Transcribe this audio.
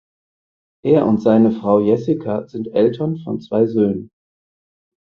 Er und seine Frau Jessica sind Eltern von zwei Söhnen.